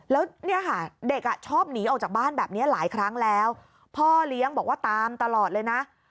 แล้วเนี่ยค่ะเด็กอ่ะชอบหนีออกจากบ้านแบบนี้หลายครั้งแล้วพ่อเลี้ยงบอกว่าตามตลอดเลยนะ